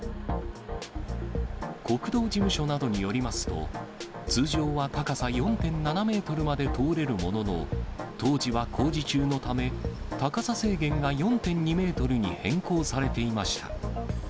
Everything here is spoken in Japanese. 国道事務所などによりますと、通常は高さ４．７メートルまで通れるものの、当時は工事中のため、高さ制限が４．２メートルに変更されていました。